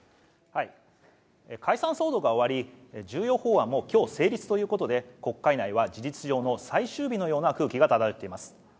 解散騒動が終わり重要法案も今日成立ということで、国会内は事実上の最終日のような空気が漂っています。